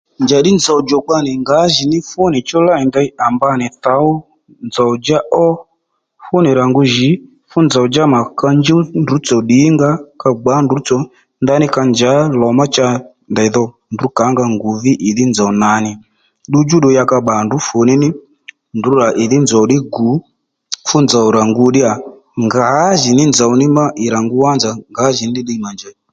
Njàddí nzòw djòkpa nì ngǎjì ní fú nì chú lêy nì ndey à mba nì thǒw nzòw djá ó fú nì rà ngu djì fú nzòw djá nà ka njúw ndrǔ tsò ddìnga ó ka gbǎ ndrǔ tsò ndaní ka njǎ lò mà cha ndey dho ndrǔ kǎnga ngù ví ìdhí nzòw nǎnì ddudjú ddù ya ka bbà ndrǔ funíní ndrǔ rà ì dhí nzòw ddí gù fú nzòw rà ngu ddíya ngǎjìní nzòw ní wá má ì rà ngu wánzà ngǎjìní ddiy mà njèy